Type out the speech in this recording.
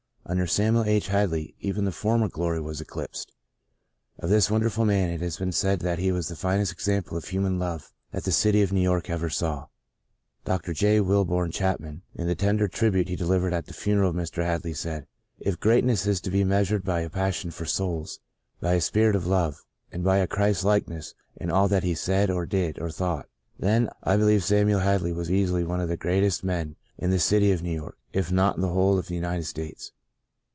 Under Samuel Ho Hadley even the former glory was eclipsed. Of this wonderful man it has been said that he was the finest exam ple of human love that the city of New York ever saw. Dr. J. Wilbur Chapman, in the tender tribute he delivered at the funeral of Mr. Hadley, said :" If greatness is to be meas ured by a passion for souls, by a spirit of love, and by a Christlikeness in all that he said, or did or thought, then, I say, I believe Samuel Hadley was easily one of the great est men in the city of New York, if not in the whole of the United States."